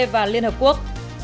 và liên hợp quốc